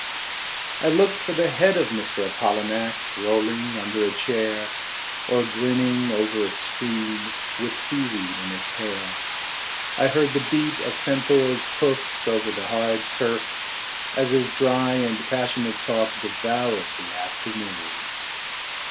I looked for the head of Mr. Apollinax rolling under a chair Or grinning over a screen With seaweed in its hair. I heard the beat of centaur's hoofs over the hard turf As his dry and passionate talk devoured the afternoon.